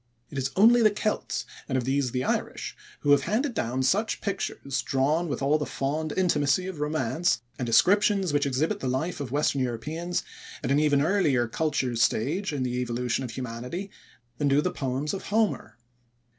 It is only the Celts, and of these the Irish, who have handed down such pictures drawn with all the fond intimacy of romance, and descriptions which exhibit the life of western Europeans at an even earlier culture stage in the evolution of humanity than do the poems of Homer.